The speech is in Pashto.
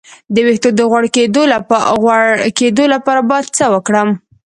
د ویښتو د غوړ کیدو لپاره باید څه وکړم؟